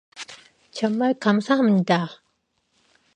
정말 감사합니다.